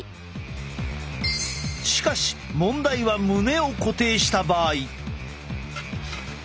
しかし問題は胸を固定した場合。